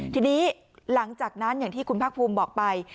ทีนี้หลังจากนั้นอย่างที่คุณภาคภูมิบอกไป